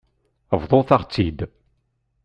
Bḍut-aɣ-tt-id.